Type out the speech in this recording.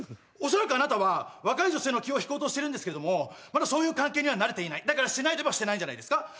恐らくあなたは若い女性の気を引こうとしてるんですけどもまだそういう関係にはなれていないだからしてないといえばしてないんじゃないですか？